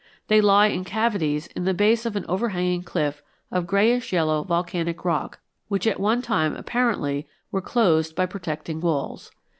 They lie in cavities in the base of an overhanging cliff of grayish yellow volcanic rock which at one time apparently were closed by protecting walls.